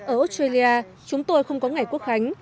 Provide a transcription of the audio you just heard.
ở australia chúng tôi không có ngày quốc khánh